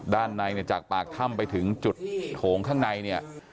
ด้านในเนี่ยจากปากถ้ำไปถึงจุดโถงข้างในเนี่ย